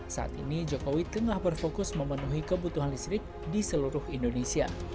saat ini jokowi tengah berfokus memenuhi kebutuhan listrik di seluruh indonesia